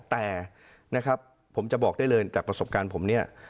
แต่ผมจะบอกได้เลยจากประสบการณ์ผมนี้